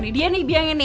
ini dia nih biang ini